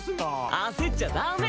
焦っちゃダメ！